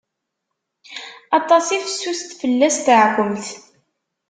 Atas i fessuset fell-as teɛkumt.